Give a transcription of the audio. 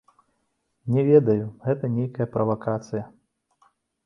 Не ведаю, гэта нейкая правакацыя.